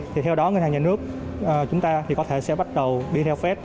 theo đó ngân hàng nhà nước chúng ta có thể sẽ bắt đầu đi theo fed